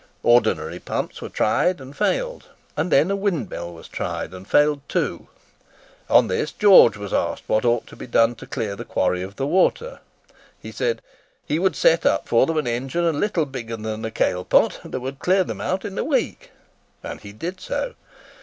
Ordinary pumps were tried, and failed; and then a windmill was tried, and failed too. On this, George was asked what ought to be done to clear the quarry of the water. He said, "he would set up for them an engine little bigger than a kail pot, that would clear them out in a week." And he did so.